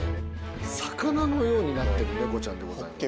魚のようになってる猫ちゃんでございます。